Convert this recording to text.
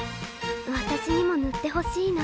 私にも塗ってほしいな